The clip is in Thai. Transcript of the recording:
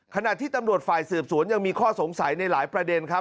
ขณะที่ตำรวจฝ่ายสืบสวนยังมีข้อสงสัยในหลายประเด็นครับ